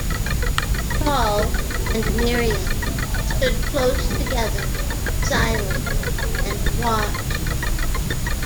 Paul and Miriam stood close together, silent, and watched.